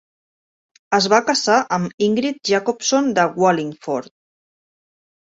Es va casar amb Ingrid Jacobson de Wallingford.